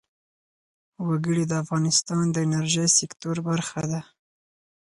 وګړي د افغانستان د انرژۍ سکتور برخه ده.